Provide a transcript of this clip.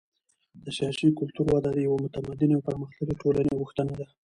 د سیاسي کلتور وده د یوې متمدنې او پرمختللې ټولنې غوښتنه ده.